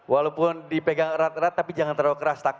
walaupun dipegang erat erat tapi jangan terlalu keras